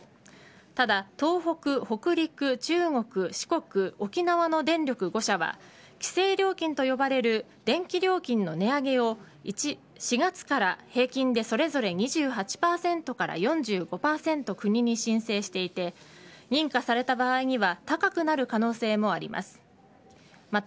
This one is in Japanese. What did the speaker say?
ただ、東北、北陸、中国四国、沖縄の電力５社は規制料金と呼ばれる電気料金の値上げを４月から平均でそれぞれ２８％から４５％国に申請していて認可された場合には高くなる可能性もあります。